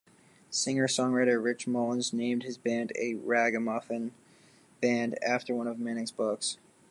Singer-songwriter Rich Mullins named his band, A Ragamuffin Band, after one of Manning's books.